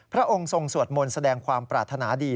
พระองค์ทรงสวดมนต์แสดงความปรารถนาดี